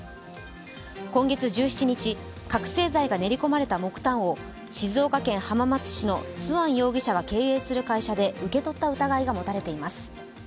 今月１７日、覚醒剤が練り込まれた木炭を静岡県浜松市のツアン容疑者が経営する会社で受け取った疑いが持たれています。